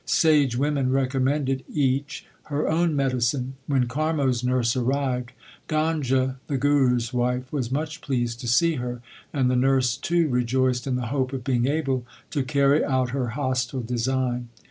Sage women recommended each her own medicine. When Karmo s nurse arrived, Ganga the Guru s wife was much pleased to see her, and the nurse too rejoiced in the hope of being able to carry out her hostile design.